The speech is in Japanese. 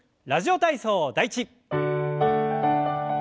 「ラジオ体操第１」。